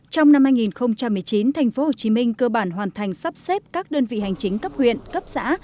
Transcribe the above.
trong năm hai nghìn một mươi chín tp hcm cơ bản hoàn thành sắp xếp các đơn vị hành chính cấp huyện cấp xã